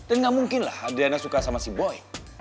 dan gak mungkin lah adelina suka sama si boy